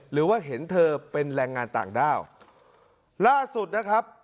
หรือว่าเห็นเธอเป็นแรงงานต่างด้าวล่าสุดนะครับ